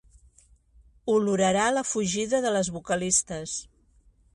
Olorarà la fugida de les vocalistes.